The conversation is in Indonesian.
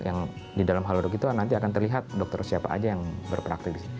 yang di dalam halodoc itu nanti akan terlihat dokter siapa aja yang berpraktik